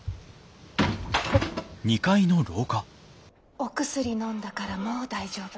・お薬のんだからもう大丈夫。